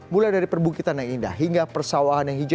mulai dari perbukitan yang indah hingga persawahan yang hijau